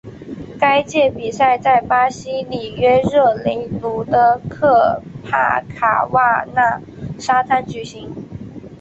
该届比赛在巴西里约热内卢的科帕卡瓦纳沙滩举行。